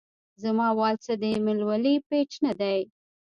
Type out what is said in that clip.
زما وال څۀ د اېمل ولي پېج نۀ دے